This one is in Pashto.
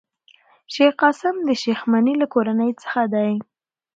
شېخ قاسم د شېخ مني له کورنۍ څخه دﺉ.